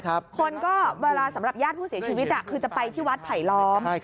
คนก็เวลาสำหรับญาติผู้เสียชีวิตคือจะไปที่วัดไผลล้อม